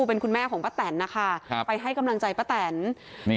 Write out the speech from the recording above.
เป็นคุณแม่ของป้าแตนนะคะครับไปให้กำลังใจป้าแตนนี่